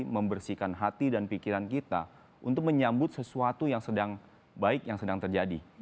membersihkan hati dan pikiran kita untuk menyambut sesuatu yang sedang baik yang sedang terjadi